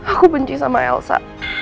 aku benci sama elesa